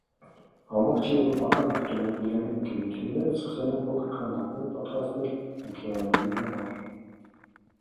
Ամբողջ եվրոպական ավտոմոբիլային ընկերությունները սկսել էին փոքր քանդակներ պատրաստել մեքենաների համար։